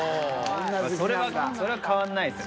それは変わんないです